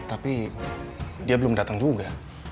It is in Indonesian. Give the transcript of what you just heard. tapi dia belum datang juga